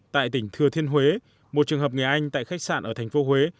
tại tỉnh thừa thiên huế một trường hợp người anh tại khách sạn ở tp huế